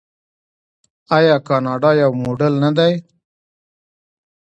آیا کاناډا یو موډل نه دی؟